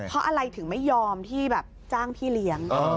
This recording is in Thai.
เพราะอะไรถึงไม่ยอมที่แบบจ้างพี่เลี้ยง